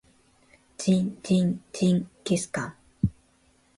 ジンジンジンギスカン